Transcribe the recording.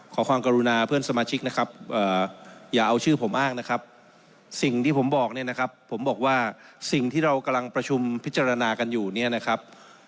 ขอความกรุณาเพื่อนสมาชิกนะครับอย่าเอาชื่อผมอ้ากสิ่งที่ผมบอกว่าสิ่งที่เรากำลังประชุมพิจารณากันอยู่นี้นะครับ